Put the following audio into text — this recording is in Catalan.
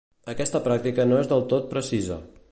Aquesta pràctica no és del tot precisa.